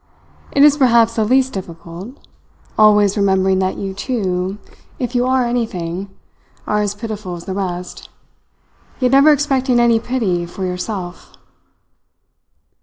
It is perhaps the least difficult always remembering that you, too, if you are anything, are as pitiful as the rest, yet never expecting any pity for yourself."